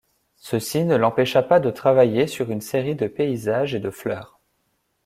Ceci ne l'empécha pas de travailler sur une série de paysages et de fleurs.